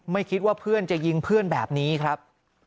ไม่คิดว่าเพื่อนจะยิงเพื่อนแบบนี้ครับ